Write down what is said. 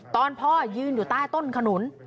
ตอนพ่อยืนอยู่ใต้ต้นขนุน